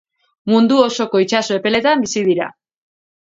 Mundu osoko itsaso epeletan bizi dira.